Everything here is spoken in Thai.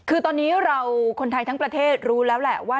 คือตอนนี้เราคนไทยทั้งประเทศรู้แล้วแหละว่า